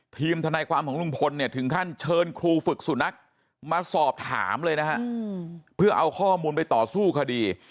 ทีมทนายความของลุงพลเนี่ยถึงขั้นเชิญครูฝึกสุนัขมาสอบถามเลยนะฮะเพื่อเอาข้อมูลไปต่อสู้คดี